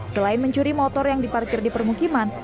selain mencuri motor yang diparkir di permukiman